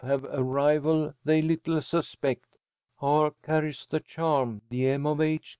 have a rival they little suspect. R. carries the charm the M. of H.